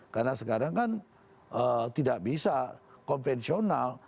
karena sekarang kan tidak bisa konvensional